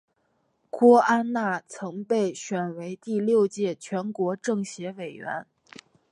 郭安娜曾被选为第六届全国政协委员。